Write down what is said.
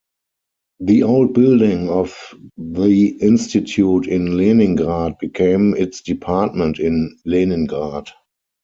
The old building of the Institute in Leningrad became its Department in Leningrad.